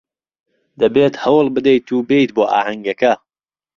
دەبێت هەوڵ بدەیت و بێیت بۆ ئاهەنگەکە.